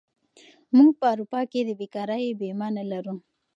موږ په اروپا کې د بېکارۍ بیمه نه لرو.